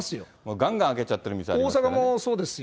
がんがん開けちゃってる店ありますよ。